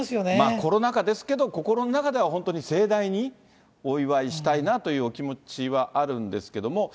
コロナ禍ですけど、心の中では本当に盛大にお祝いしたいなっていうお気持ちはあるんですけども。